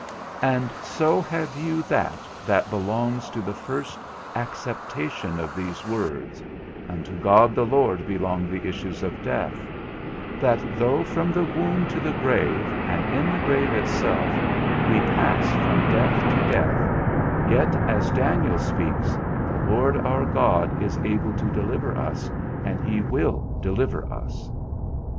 And so have you that that belongs to the first acceptation of these words (unto God the Lord belong the issues of death); That though from the womb to the grave, and in the grave itself, we pass from death to death, yet, as Daniel speaks, the Lord our God is able to deliver us, and he will deliver us.